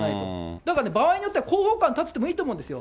だからね、場合によっては広報官立ててもいいと思うんですよ。